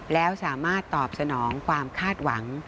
แล้วสามารถตอบสนองความคาดหวัง